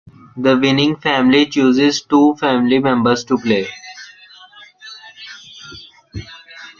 The winning family chooses two family members to play.